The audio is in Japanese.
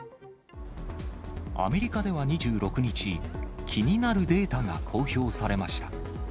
アメリカでは２６日、気になるデータが公表されました。